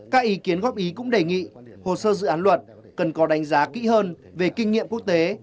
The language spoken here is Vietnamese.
các ý kiến góp ý cũng đề nghị hồ sơ dự án luật cần có đánh giá kỹ hơn về kinh nghiệm quốc tế